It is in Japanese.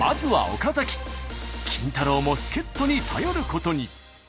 キンタロー。も助っ人に頼ることに。